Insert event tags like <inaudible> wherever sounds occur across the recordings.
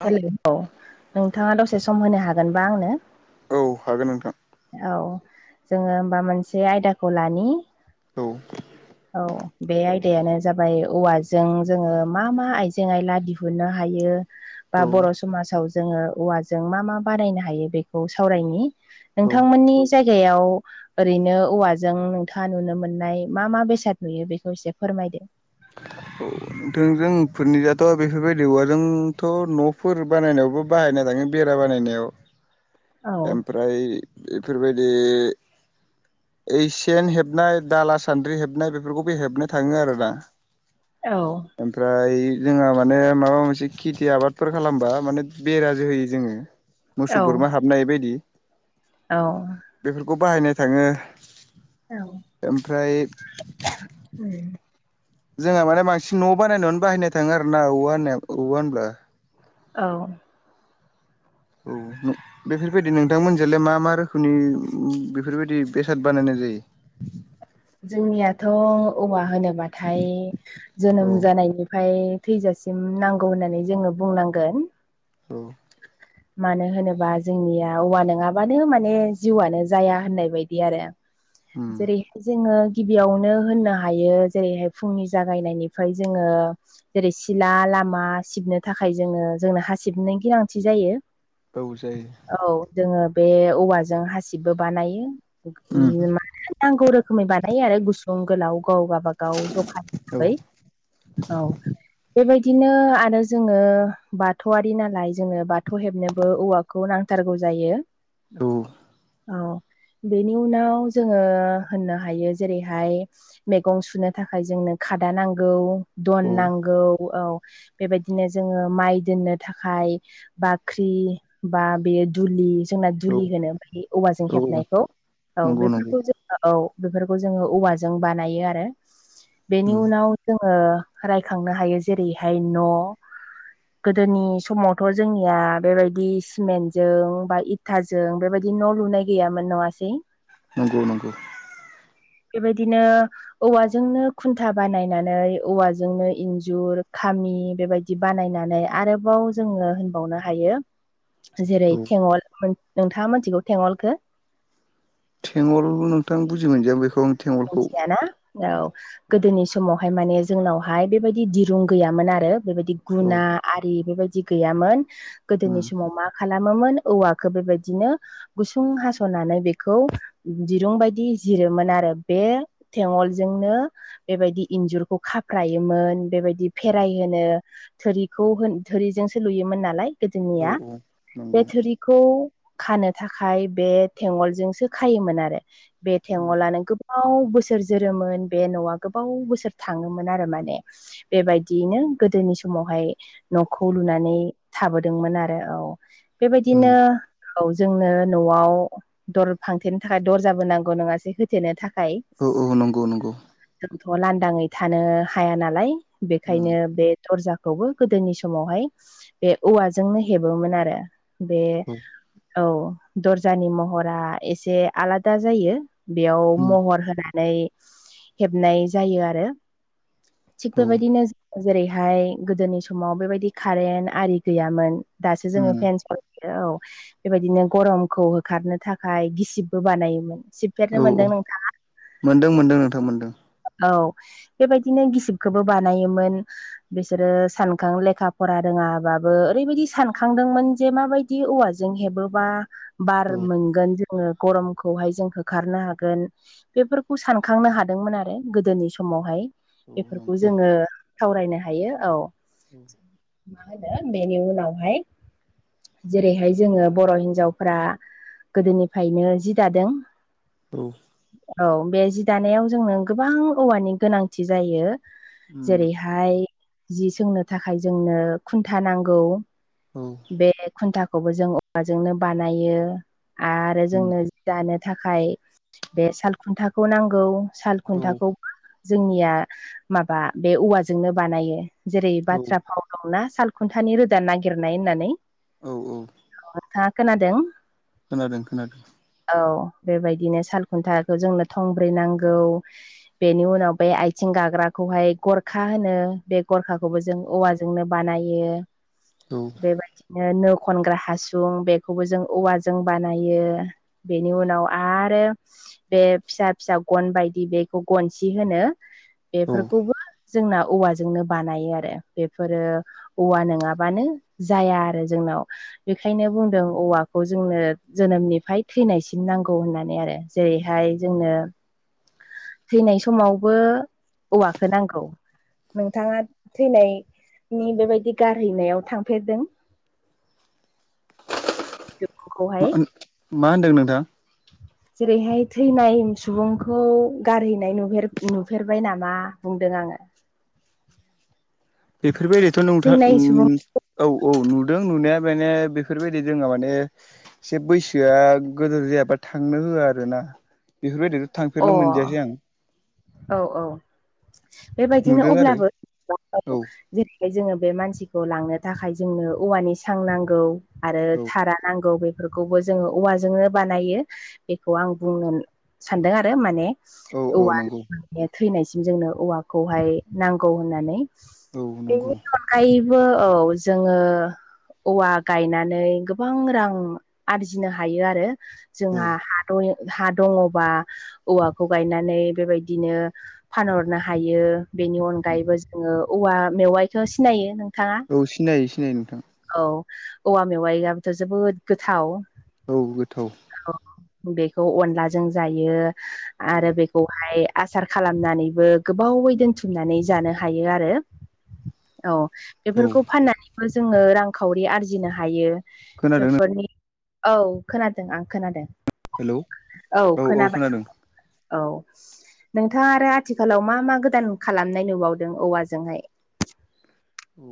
औ हेलौ नोंथाङा दसे सम होनो हागोनबा आंनो। औ हागोन नोंथां। औ जोङो होमबा मोनसे आयदाखौ लानि। औ औ बे आयदायानो जाबाय औवाजों जोङो मा मा आइजें आयला दिहुननो हायो? बा औ बर' समाजाव जोङो औवाजों मा मा बारायनो हायो बेखौ सावरायनि। नोंथांमोननि जायगायाव ओरैनो औवाजों नोंथाङा नुनो मोननाय मा मा बेसाद नुयो बेखौ एसे फोरमायदो। थों जोंफोरनि दाथ' बेफोरबायदि औवाजोंथ' न'फोर बानायनायावबो बाहायनाय थाङो बेरा बानायनायाव। <unintelligible> औ ओमफ्राय बेफोरबायदि ओइ सेेन हेबनाय दाला सान्द्रि हेबनाय बेफोरखौबो हेबनाय थाङो आरोना। औ। ओमफ्राय जोंहा माने माबा मोनसे खेथि आबादफोर खालामबा माने बेराजो होयो जोङो। <unintelligible> मोसौ बोरमा हाबनो हायै बायदि। औ। बेफोरखौ बाहायनाय थाङो। ओमफ्राय औ। जोंहा माने बांसिन न' बानायनायावनो बाहायनाय थाङो आरोना औव होननाय औवा होनब्ला। औ। <inaudible> बेफोरबायदि नोंथांमोनजोंलाय मा मा रोखोमनि बेफोरबायदि बेसाद बानायनाय जायो? जोंनियाथ' औवा होनोबाथाय औ जोनोम जानायनिफाय थैजासिम नांगौ होननानै जोङो बुंनांगोन। औ। मानो होनोबा जोंनिया औवा नङाबानो माने जिउआनो जाया होननाय बायदि आरो। उम जेरै जोङो गिबियावनो होननो हायो जेरैहाय फुंनि जागायनायनिफ्राय जोङो जेरै सिला लामा सिबनो थाखाय जोङो जोंनो हा सिबनायनि गोनांथि जायो। औ जायो। औ जोङो बे औवाजों हासिबबो बानायो। उम मा होनो नांगौ रोखोमै बानायो आरो गुसुं गोलाव गाव गाबागाव जखा औ हिसाबै। औ बेबायदिनो आरो जोङो बाथौआरि नालाय जोङो बा थौ हेबनोबो औवाखौ नांथारगौ जायो। औ। औ बेनि उनाव जोङो होननो हायो जेरैहाय मैगं सुनो थाखाय जोंनो खादा नांगौ। दन औ नांगौ। औ बेबायदिनो जोङो माइ दोननो थाखाय बाख्रि बा बे दुलि। जोंना औ दुलि होनो बै औवाजों औ हेबनायखौ। औ नंगौ नंगौ बेफोरखौ जों औ बेफोरखौ जोङो औवाजों बानायो आरो बेनि उम उनाव जोङो रायखांनो हायो जेरैहाय न'। गोदोनि समावथ' जोंनिया बेबायदि सिमेन्टजों बा इटाजों बेबायदि न' लुनाय गैयामोन नङा सै। नेंगौ नंगौ। बेबायदिनो औवाजोंनो खुन्था बानायनानै औवाजोंनो इन्जुर खामि बेबायदि दि बानायनानै आरोबाव जोङो बावनो हायो जेरै औ थेङल, नोंथाङा मोनथिगौ थोङलखौ? थेङल नोंथां बुजि मोनजियां बेखौ। थेंगलखौ मोनथियाना? औ गोदोनि समावहाय माने जोंनावहाय बेबायदि दिरुं गैयामोन आरो बेबायदि औ गुना आरि बेबायदि गैयामोन। उम गोदोनि समाव मा खालामोमोन? औवाखौ बेबादिनो गुसुं हास'नानै बेखौ दिरुं बायदि जिरोमोन आरो। बे थेवोलजोंनो बेबायदि इन्जुरखौ खाफ्रायोमोन बेबायदि फेराइ होनो थोरिखौ होन थोरिजोंसो लुयोमोन नालाय। औ गोदोनिया औ बे नंगौ थोरि खौ खानो थाखाय बे थेंवोलजोंसो खायोमोन आरो।। बे उम थेंवलानो गो बाव बोसोर जोरोमोन बे न'आ गोबाव बोसोर थाङोमोन आरो माने। बेबायदियैनो गोदोनि समावहाय न'खौ लुनानै थाबोदोंमोन आरो औ बेबायदिनो औ जोंनो न'आव दर फांथेनो थाखाय दरजाबो नांगौ नङासै होथेनो थाखाय औ औ नंगौ नंगौ जोंथ' लांदाङै थानो हाया नालाय उम बेखायनो बे दरजाखौबो गोदोनि समावहाय बे औवाजोंनो हेबोमोन आरो। बे औ औ दरजानि महरा एसे आलादा जायो बेयाव उम महर होनानै हेबनाय जायो आरो थिग औ बेबायदिनो जेरैहाय गोदोनि समाव बेबायदि कारेन्ट आरि गैयामोन दासो जोङो उम फेनस औ बेबायदिनो गरमखौ होखारनो थाखाय गिसिबबो बानायोमोन सिब हेबफेरनो औ औ मोनदों नों मोनदों मोनदों नोंथां मोनदों औ बेबायदिनो गिसिबखौबो बानायोमोन। बिसोरो सानखां लेखा फरा रोङाबाबो ओरैबायदि सानखांदोंमोन जे माबायदि माबादि औवाजों हेबोबा बार औ मोनगोन जोङो गरमखौहाय जों होखारनो हागोन। बेफोरखौ सानखांनो हादोंमोन आरो गोदोनि समावहाय औ बेफोरखौ नंगौ जोङो सावरायनो हायो औ उम मा होनो बेेनि उनावहाय जेरैहाय जोङो बर' हिनजावफोरा गोदोनिफ्रायनो जि दादों औ औ बे जि दानायाव जोंनो गोबां औवानि गोनांथि जायो उम जेरै हाय जि सोंनो थाखाय जोंनो खुन्था नांगौ। ओम बे खुन्थाखौबो जों औवाजोंनो बानायो आरो औ जोंनो जि जानो थाखाय बे साल खुन्थाखौ नांगौ साल खुन्थाखौ जोंनिया माबा बे औवाजोंनो बानायो जेरै औ बाथ्रा भाव दंना साल खुन्थानि रोदा नागिरनाय होननानै। औ औ अ नोंथाङा खोनादों? खोनादों खोनादों औ बेबायदिनो सालखुन्थाखौ जोंनो थंब्रै नांगौ। बेनि उनाव बे आथिं गाग्राखौहाय गरखा होनो बे गरखाखौबो जों औवाजों नो बानायो। औ बेबायदिनो नो खनग्रा हासुं बेखौबो जों औवाजों बानायो। बेनि उनाव आरो बे फिसा फिसा गन बायदि बेखौ गनसि होनो औ बेफोरखौबो जोंना औवाजोंनो बानायो आरो बेफोरो औवा नङाबानो जाया आरो जोंनाव बेखायनो बुंदों औवाखौ जोंनो जोनोमनिफ्राय थैनायसिम नांगौ होननानै आरो। जेरैहाय जोंनो थैनाय समावबो औवखौ नांगौ। नोंथाङा थैनायनि बेबायदि गारहैनायाव थांफेरदों? <unintelligible> मा बेखौहाय मा होन्दों नोंथां? जेरैहाय थैनाय सुबुंखौ गारहैनाय नुफेर-नुफेरबाय नामा बुंदों आङो। बेफोरबायदिथ' नंथा थैनाय उम सुबुं औ औ नुदों नुनाया माने बेफोरबायदि जों माने एसे बैसोआ गोदोर जायाबा थांनो होआ आरो ना बेफोरबायदि अ औ औ बेबायदिनो नुदों आरो अब्लाबो औ। जेरैहाय जोङो बे मानसिखौ लांनो थाखाय जोंनो औवानि सां नांगौ आरो औ थारा नांगौ बेफोरखौबो जोङो औवाजोंनो बानायो बेखौ आं बुंनो सान्दों आरो माने औ औ औवा नंगौ थैनायसिम जोंनो औवाखौहाय नांगौ होननानै औ नंगौ बेनि खायबो औ जोङो औवा गायनानै गोबां रां आरजिनो हायो आरो। औ जोंहा हा दय हा दङबा औवाखौ गायनानै बेबायदिनो फानहरनो हायो बेनि अनगायैबो ङो औवा मेवाइखौ सिनायो नोंथाङा औ सिनायो सिनायो नोंथां। औ औवा मेवाइआाबोथ' जोबोद गोथाव औ गोथाव। औ बेखौ अनलाजों जायो औ आरो बे खौहाय आसार खालामनानैबो गोबावै दोनथुमनानै जानो हायो आरो। औ। औ बेफोरखौ फाननानैबो जोङो रांखावरि आरजिनो हायो खोनादों बेफोरनि औ खोनादों आं खोनादों। हेल' औ औ खोनादों। औ। नोंथाङा आरो आथिखालाव मा मा गोदान खालामनाय नुबावदों औवाजोंहाय। औ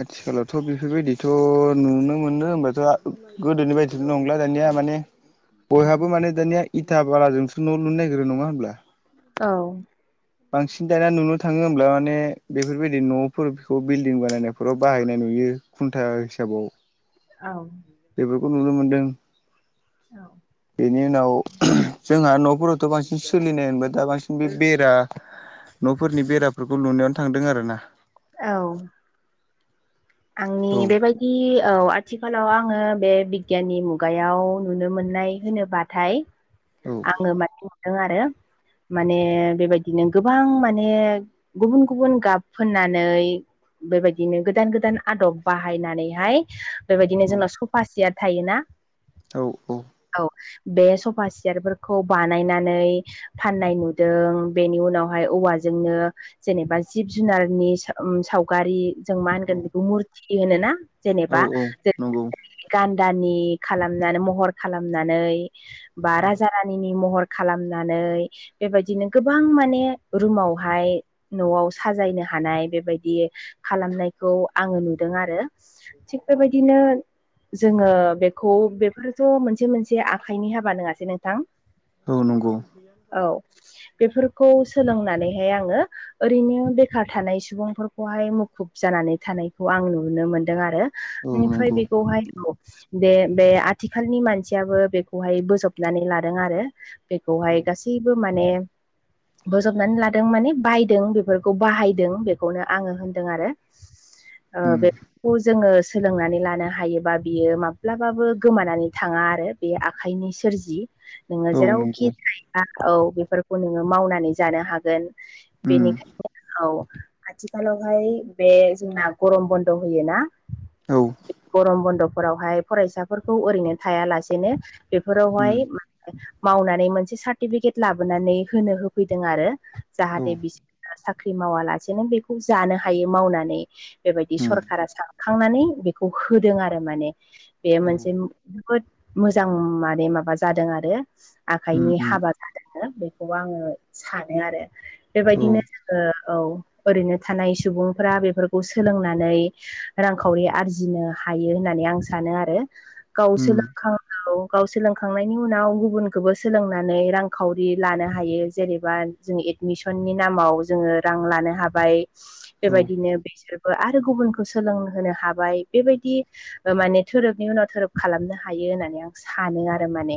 आथिखालावथ' बेफोरबायदिथ' नुनो मोनो होनोमबाथ' गोदोनि बायदि' नंला दानिया माने औ बयहाबो माने दानिया इथा बालाजोंसो न' लुनो नागिरो नङा होमब्ला। औ। बांसिन दाना नुनो थाङो होमब्ला माने बेफोरबायदि न'फोरखौ बिल्डिं बानायनायफोराव बाहायनाय नुयो। खुन्टा हिसाबाव औ। बेफोरखौ नुनो मोन्दों। औ। बेनि उनाव जोंहा न'फोरावथ' बांसिन सोलिनाय होनबाय दा बांसिन बे बेरा न'फोरनि बेराफोरखौ लुनायावनो थांदों आरो ना। औ। आंनि बेबायदि दि औ आथिखालाव आङो बे बिगियाननि मुगायाव नुनो मोननाय होनोबाथाय औ। आङो माने नुदों आरो माने बेबायदिनो गोबां माने गुबुन गुबुन गाब फोननानै बेबायदिनो गोदान गोदान आदब बाहायनानैहाय बेबायदिनो जोंनाव सफा सियार थायोना औ औ। औ बे सफा सियारफोरखौ बानायनानै फाननाय नुदों बेनि उनावहाय औवाजोंनो जेनेबा जिब जुनारनि उ सावगारि जों मा औ होनगोन बेखौ मुरथि होनोना औ जेनेबा औ जों नंगौ गान्दानि खालामनानै महर खालामनानै बा औ रानिनि महर खालामनानै बेबायदिनो गोबां माने रुमावहाय न'आव साजायनो हानाय बेबायदि खालामनायखौ आङो नुदों आरो थिग बेबायदिनो जोङो बे खौ बेफोरथ' मोनसे मोनसे आखाइनि हाबा नङासै नोंथां औ नंगौ औ बेफोरखौ सोलोंनानैहाय आङो ओरैनो बेखार थानाय सुबुंफोरखौहाय मुखुब जानानै थानायखौ आं नुनो मोनदों आरो औ बेनिफ्राय नंगौ बेखौहाय औ बे बे आथिखालनि मानसियाबो बेखौहाय बोजब नानै लादों आरो बेखौहाय गासैबो माने बोजबनानै लादों माने बायदों बेफोरखौ बाहायदों बेखौनो आङो होनदों आरो ओ उम बे खौ जोङो सोलोंनानै लानो हायोबा बियो माब्लाबाबो गोमानानै थाङा आरो बे आखाइनि सोरजि नोङो औ नंगौ जेरावखि थाया औ बेफोरखौ नोङो मावनानै जानो हागोन उम बेनिखायनो औ आथिखालावहाय बे जोंना गरम बन्द होयो ना औ गरम बन्द'फोरावहाय फरायसाफोरखौ ओरैनो थायालासेनो बेफोरावहाय उम मावनानै मोनसे सार्टिफिकेट लाबोनानै होनो होफैदों आरो औ जाहाथे बिसोर साख्रि मावालासेनो बेखौ जानो हायो मावनानै बेबायदि उम सरखारा स खांनानै बेखौ होदों आरो माने बेयो मोनसे उम जोबोद मोजां माने माबा जादों आरो आखाइनि उम हाबा द बेखौबो आङो सानो आरो औ बेबायदिनो जोङो औ ओरैनो थानाय सुबुंफ्रा बेफोरखौ सोलोंनानै रांखावरि आरजिनो हायो होननानै आं सानो आरो गावस उम लोंखौ गावस लों खांनायनि उनाव गुबुनखौबो सोलोंनानै रांखावरि लानो हायो जेनेबा जों एडमिसननि नामाव जोङो रां लानो हाबाय औ बेबायदिनो बेसोर आरो गुबुनखौ सोलोंहोनो हाबाय बेबायदि माने धोरोबनि उनाव धोरोब खालामनो हायो होननानै आं सानो आरो माने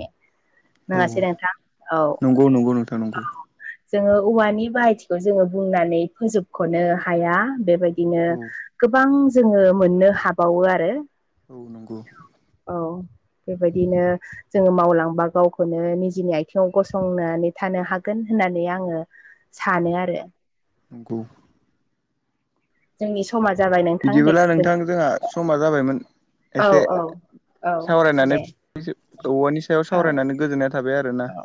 औ नङासै नोंथां औ नंगौ नंगौ नोंथां औ नंगौ जोङो औवानि बाहायथिखौ जोङो बुंनानै फोजोबख'नो हाया बेबायदि बिदिनो औ गोबां जोङो मोननो हाबावो आरो औ नंगौ। औ बेबायदिनो जोङो मावलांबा गावखौनो निजिनि आथिङाव गसंनानै थानो हागोन होननानै आङो सानो आरो <unintelligible> जोंनि समा जाबाय नों बिदिबोब्ला नोंथां जोंहा समा जाबायमोन। औ एसे औ औ सावरायनानै दे औवानि सायाव औ सावरायनानै गोजोननाय थाबाय आरो ना औ